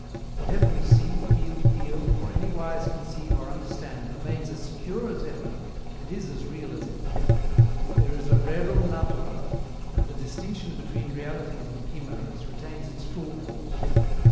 Whatever we see, feel, hear, or anywise conceive or understand remains as secure as ever, and is as real as ever. There is a RERUM NATURA, and the distinction between realities and chimeras retains its full force.